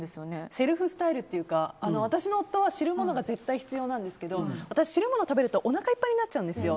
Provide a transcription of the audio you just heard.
セルフスタイルというか私の夫は汁ものが絶対必要なんですけど私、汁もの食べるとおなかいっぱいになっちゃうんですよ。